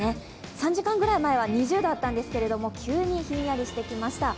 ３時間ぐらい前は２０度あったんですが、急にひんやりしてきました。